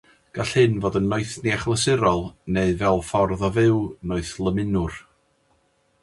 Gall hyn fod yn noethni achlysurol neu fel ffordd o fyw noethlymunwr.